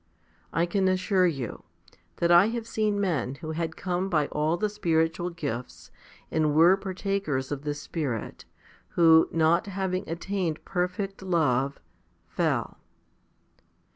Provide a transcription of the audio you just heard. I can assure you, that I have seen men who had come by all the spiritual gifts and were partakers of the Spirit, who, not having attained perfect charity, fell.